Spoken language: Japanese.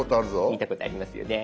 見たことありますよね。